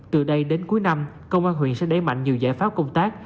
từ đây đến cuối năm công an huyện sẽ đẩy mạnh nhiều giải pháp công tác